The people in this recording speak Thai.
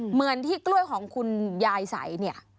เหมือนที่กล้วยของคุณยายใสเนี่ย